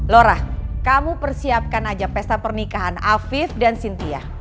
lora kamu persiapkan aja pesta pernikahan afif dan cynthia